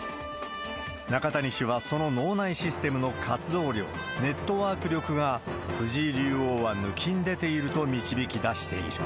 中谷氏は、その脳内システムの活動量、ネットワーク力が藤井竜王はぬきんでていると導き出している。